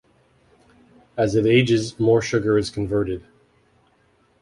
As it ages more sugar is converted.